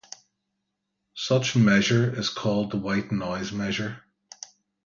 Such measure is called white noise measure.